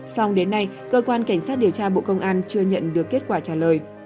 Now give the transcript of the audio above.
song đến nay cơ quan cảnh sát điều tra bộ công an chưa nhận được kết quả trả lời